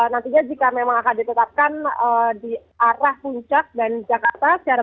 nantinya jika memang akan ditetapkan di arah puncak dan jakarta